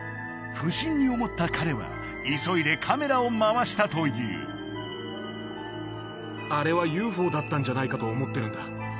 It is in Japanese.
不審に思った彼は急いでカメラを回したというあれはＵＦＯだったんじゃないかと思ってるんだ